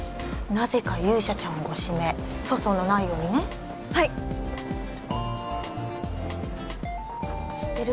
なぜか勇者ちゃんをご指名粗相のないようにねはい知ってる？